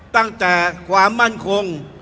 ตั้งแต่ความมั่นคง